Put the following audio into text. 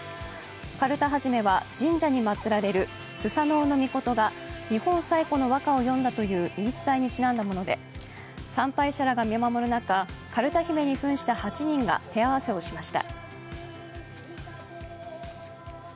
かるた始めは神社に祭られる須佐之男命が日本最古の和歌を詠んだという言い伝えにちなんだもので参拝者らが見守る中、かるた姫に扮した８人が手合わせをしました。